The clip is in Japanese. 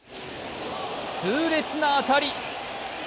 痛烈な当たり！